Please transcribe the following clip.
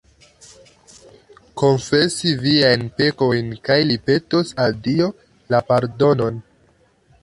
Konfesi viajn pekojn kaj li petos al Dio la pardonon